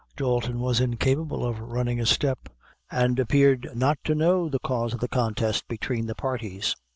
Dalton was incapable of running a step, and appeared not to know the cause of the contest between the parties.